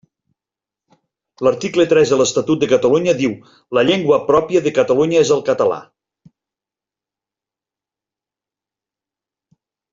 L'article tres de l'Estatut de Catalunya diu “La llengua pròpia de Catalunya és el català”.